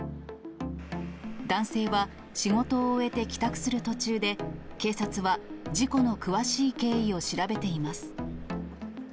男性は仕事を終えて帰宅する途中で、警察は事故の詳しい経緯を調べています。